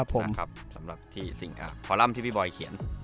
พอลัมที่พี่บอยเขียน